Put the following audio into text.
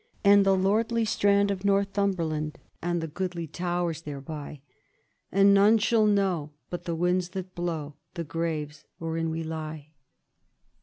And the lordly strand of Northumberland, And the goodly towers thereby: And none shall know, but the winds that blow, The graves wherein we lie."